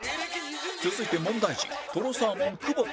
続いて問題児とろサーモン久保田